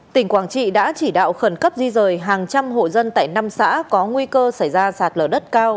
tỉnh quảng trị đã chỉ đạo khẩn cấp di rời hàng trăm hộ dân tại năm xã có nguy cơ xảy ra sạt lở đất cao